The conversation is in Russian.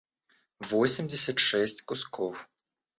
восемьдесят шесть кусков